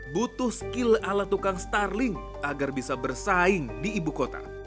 butuh skill ala tukang starling agar bisa bersaing di ibu kota